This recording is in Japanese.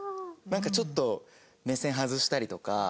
なんかちょっと目線外したりとか。